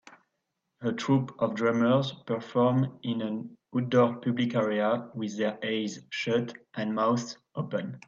A troupe of drummers perform in an outdoor public area with their eyes shut and mouths open.